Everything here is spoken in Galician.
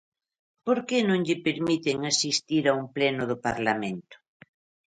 ¿Por que non lle permiten asistir a un pleno do Parlamento?